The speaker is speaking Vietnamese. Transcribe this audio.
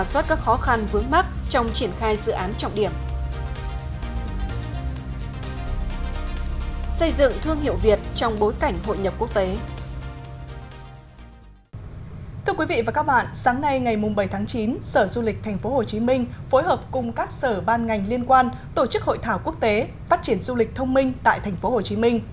sáng nay ngày bảy tháng chín sở du lịch tp hcm phối hợp cùng các sở ban ngành liên quan tổ chức hội thảo quốc tế phát triển du lịch thông minh tại tp hcm